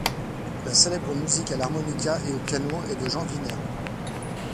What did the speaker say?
La célèbre musique à l’harmonica et au piano est de Jean Wiener.